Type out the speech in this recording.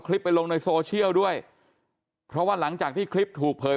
ไปลงในโซเชียลด้วยเพราะว่าหลังจากที่คลิปถูกเผย